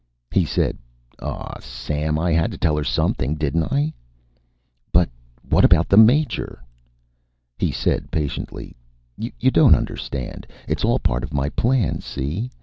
He said: "Aw, Sam, I had to tell her something, didn't I?" "But what about the Major " He said patiently: "You don't understand. It's all part of my plan, see?